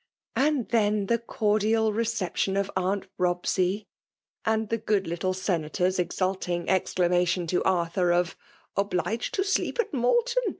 And then the cordial reception of Aunt Bobsey, and the good little senator^s exulting eoDclamation to Arthur, of —<' Obliged to sleep at Malton